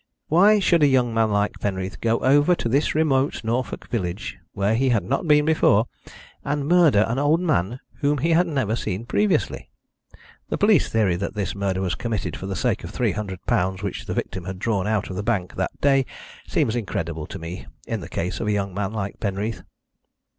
"Why should a young man like Penreath go over to this remote Norfolk village, where he had not been before, and murder an old man whom he had never seen previously? The police theory that this murder was committed for the sake of £300 which the victim had drawn out of the bank that day seems incredible to me, in the case of a young man like Penreath."